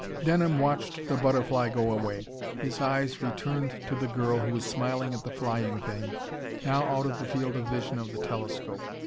Denham watched the butterfly go away. His eyes returned to the girl who was smiling at the flying thing, now out of the field of vision of the telescope.